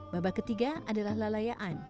babak ketiga adalah lalayaan